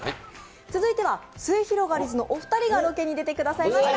続いてはすゑひろがりずのお二人がロケに出てくださいました。